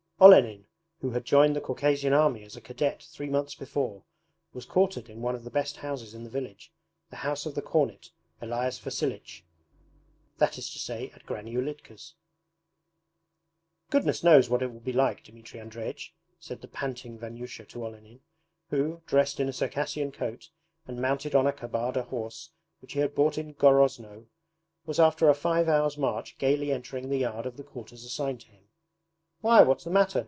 Olenin, who had joined the Caucasian Army as a cadet three months before, was quartered in one of the best houses in the village, the house of the cornet, Elias Vasilich that is to say at Granny Ulitka's. 'Goodness knows what it will be like, Dmitri Andreich,' said the panting Vanyusha to Olenin, who, dressed in a Circassian coat and mounted on a Kabarda horse which he had bought in Groznoe, was after a five hours' march gaily entering the yard of the quarters assigned to him. 'Why, what's the matter?'